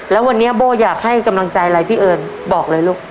แล้ววันนี้โบ้อยากให้กำลังใจอะไรพี่เอิญบอกเลยลูก